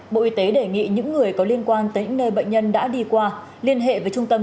bộ y tế đề nghị những người có liên quan tới những nơi bệnh nhân đã đi qua liên hệ với trung tâm